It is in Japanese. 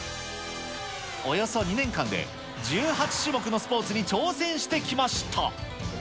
およそ２年間で１８種目のスポーツに挑戦してきました。